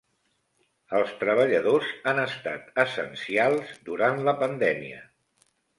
Els treballadors han estat essencials durant la pandèmia.